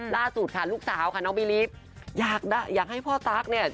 ล่าสุดค่ะลูกสาวค่ะน้องบีรีฟอยากให้พ่อตั๊กเนี่ย